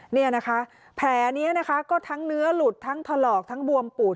นี่นะคะแผลนี้นะคะก็ทั้งเนื้อหลุดทั้งถลอกทั้งบวมปูด